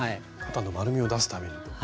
肩の丸みを出すために。